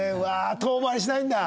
遠回りしないんだ。